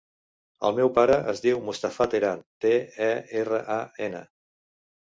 El meu pare es diu Mustafa Teran: te, e, erra, a, ena.